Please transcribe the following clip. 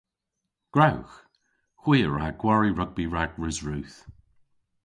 Gwrewgh! Hwi a wra gwari rugbi rag Resrudh.